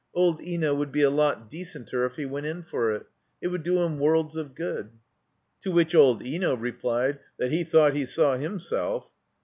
Old Eno would be a lot decenter if he went in for it. It would do him worlds of good. To which old Eno replied that he thought he saw himself!